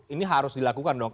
ini harus dilakukan dong